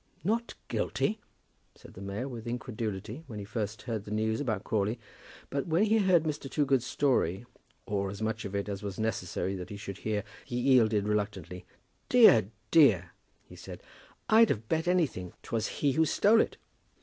"Not guilty!" said the mayor, with incredulity, when he first heard the news about Crawley. But when he heard Mr. Toogood's story, or as much of it as it was necessary that he should hear, he yielded reluctantly. "Dear, dear!" he said. "I'd have bet anything 'twas he who stole it."